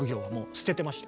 捨ててました。